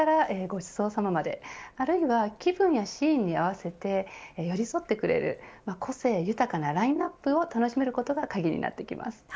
乾杯からごちそうさままで、あるいは気分やシーンに合わせて寄り添ってくれる個性豊かなラインアップを楽しめることが鍵になってきます。